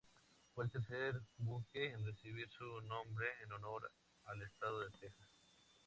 Fue el tercer buque en recibir su nombre en honor al estado de Texas.